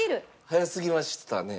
早すぎましたね。